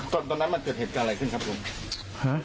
ตอนนั้นมันเกิดเหตุการณ์อะไรขึ้นครับลุงฮะ